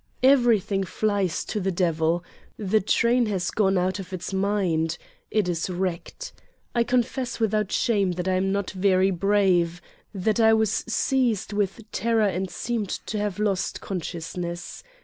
Everything flies to the devil: the train has gone out of its mind. It is wrecked. I confess without shame that I am not very brave, that I was seized with terror and seemed to have lost consciousness.